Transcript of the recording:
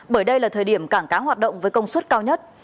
bởi đây là thời điểm cảng cá hoạt động với công suất cao nhất